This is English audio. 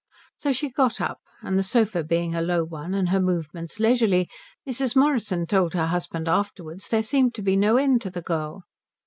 So she got up, and the sofa being a low one and her movements leisurely, Mrs. Morrison told her husband afterwards there seemed to be no end to the girl.